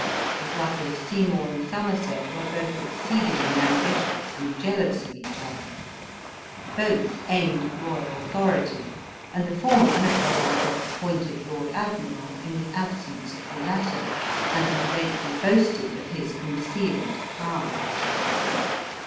The brothers Seymour and Somerset were both exceedingly ambitious and jealous of each other ; both aimed at royal authority, and the former had got him self appointed lord admiral in the absence of the latter, and )i*l lately boasted of his concealed power.